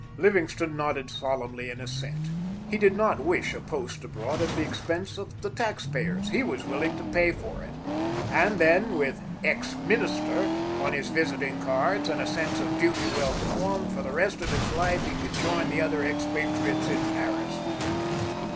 Livingstone nodded solemnly in assent. He did not wish a post abroad at the expense of the taxpayers. He was willing to pay for it. And then, with "ex Minister" on his visiting cards, and a sense of duty well performed, for the rest of his life he could join the other expatriates in Paris.